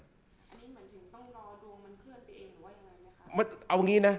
อันนี้หมายถึงต้องรอตัวมันเพื่อตัวเองหรือว่ายังไงนะครับ